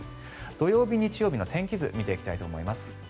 土曜日、日曜日の天気図見ていきたいと思います。